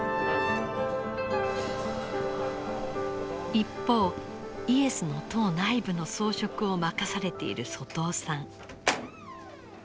一方イエスの塔内部の装飾を任されている外尾さん。